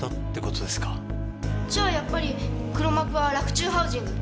じゃあやっぱり黒幕は洛中ハウジング？